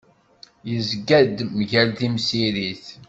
Yezga-d mgal temsirit.